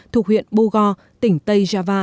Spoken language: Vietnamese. thuộc huyện bogor tỉnh tây java